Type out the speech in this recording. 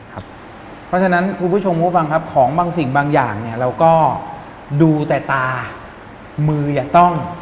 เพราะฉะนั้นคุณผู้ชมผู้ฟังครับของบางสิ่งบางอย่างเนี่ยเราก็ดูแต่ตามืออย่าต้อง